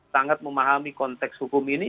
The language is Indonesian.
sangat memahami konteks hukum ini